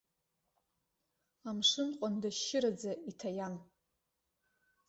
Амшын ҟәандашьшьыраӡа иҭаиан.